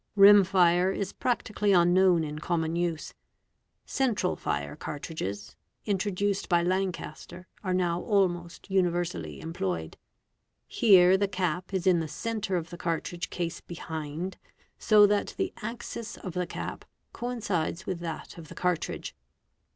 Rim fire is practically unknown in common use. Central fire _ cartridges, introduced by Lancaster, are now almost universally employed. Here the cap is in the centre of the cartridge case behind, so that the ; axis of the cap coincides with that of the cartridge.